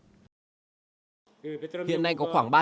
hiện nay có một số công dân người hàn quốc